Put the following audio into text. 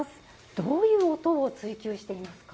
どういう音を追求していますか？